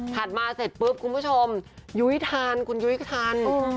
ถัดมาเสร็จปุ๊บคุณผู้ชมยุฒิฐานคุณยุฒิฐาน